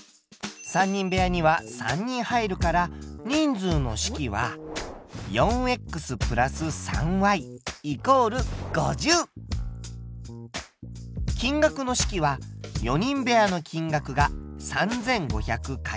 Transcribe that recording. ３人部屋には３人入るから人数の式は金額の式は４人部屋の金額が３５００×。